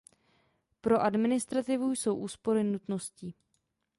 Pro administrativu jsou úspory nutností.